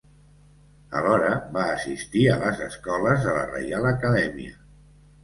Alhora, va assistir a les escoles de la Reial Acadèmia.